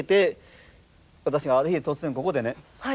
私がある日突然ここでね。